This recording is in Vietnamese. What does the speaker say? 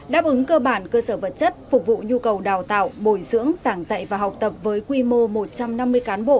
đáp ứng cơ bản cơ sở vật chất phục vụ nhu cầu đào tạo bồi dưỡng sảng dạy và học tập với quy mô một trăm năm mươi cán bộ